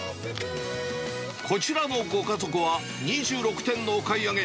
こちらのご家族は、２６点のお買い上げ。